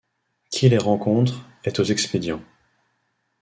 Qui les rencontre est aux expédients.